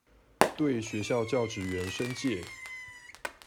對學校教職員申誡